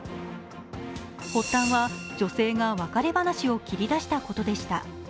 発端は女性が別れ話を切り出したことでした。